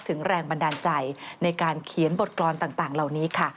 แรงบันดาลใจในการเขียนบทกรรมต่างเหล่านี้ค่ะ